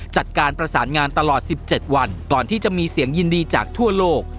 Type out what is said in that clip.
จัดการประสานงานตลอด๑๗วันก่อนที่จะมีเสียงยินดีจากทั่วโลก